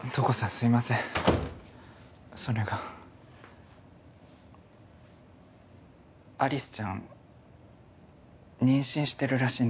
すいませんそれが有栖ちゃん妊娠してるらしいんですよ